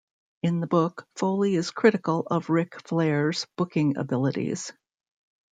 In the book, Foley is critical of Ric Flair's booking abilities.